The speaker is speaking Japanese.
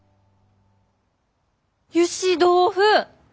ゆし豆腐！